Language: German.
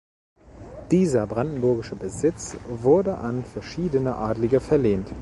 Dieser brandenburgische Besitz wurde an verschiedene Adelige verlehnt.